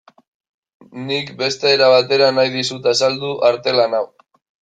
Nik beste era batera nahi dizut azaldu artelan hau.